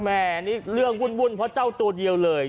แม่นี่เรื่องวุ่นเพราะเจ้าตัวเดียวเลย